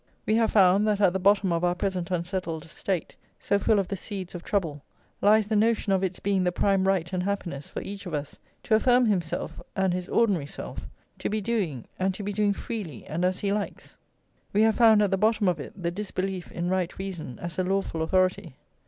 We have found that at the bottom of our present unsettled state, so full of the seeds of trouble, lies the notion of its being the prime right and happiness, for each of us, to affirm himself, and his ordinary self; to be doing, and to be doing freely and as he likes. We have found at the bottom of it the disbelief in right reason as a lawful authority.